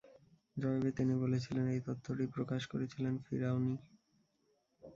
জবাবে তিনি বলেছিলেন, এই তথ্যটি প্রকাশ করেছিল ফিরআউনী।